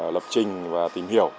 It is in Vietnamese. lập trình và tìm hiểu